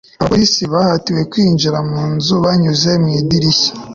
abapolisi bahatiwe kwinjira mu nzu banyuze mu idirishya